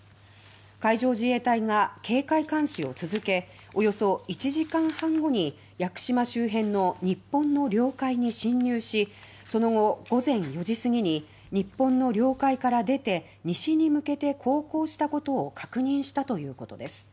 海上自衛隊が警戒監視を続けおよそ１時間半後に屋久島周辺の日本の領海に侵入しその後、午前４時すぎに日本の領海から出て西に向けて航行したことを確認したということです。